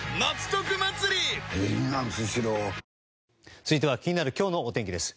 続いては、気になる今日のお天気です。